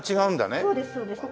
そうですそうです。